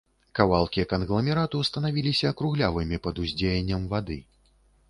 Кавалкі кангламерату станавіліся круглявымі пад уздзеяннем вады.